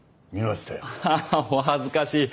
ああお恥ずかしい。